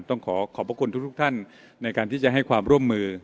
ต้องขอขอบพระคุณทุกท่านในการที่จะให้ความร่วมมือ